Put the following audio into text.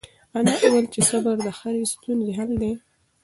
انا وویل چې صبر د هرې ستونزې حل دی.